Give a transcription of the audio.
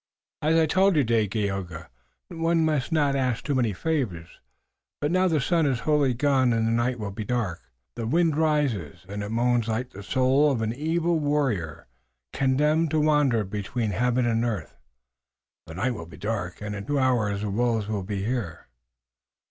"As I told you, Dagaeoga, one must not ask too many favors. But now the sun is wholly gone and the night will be dark. The wind rises and it moans like the soul of an evil warrior condemned to wander between heaven and earth. The night will be dark, and in two hours the wolves will be here."